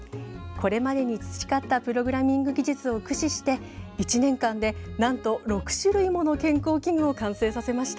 これまでに培ったプログラミング技術を駆使して１年間でなんと６種類もの健康器具を完成させました。